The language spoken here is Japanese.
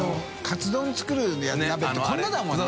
槻作る鍋ってこんなだもんね。